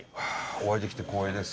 お会いできて光栄です。